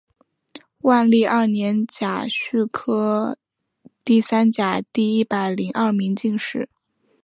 万历二年甲戌科第三甲第一百零二名进士。